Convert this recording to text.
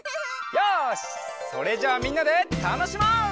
よしそれじゃあみんなでたのしもう！